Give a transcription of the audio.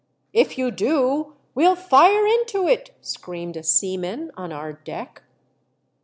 *' If you do we'll fire into it!" screamed a seaman on our deck.